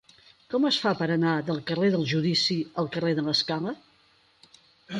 Com es fa per anar del carrer del Judici al carrer de l'Escala?